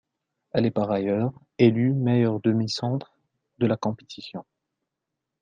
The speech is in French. Elle est par ailleurs élue meilleure demi-centre de la compétition.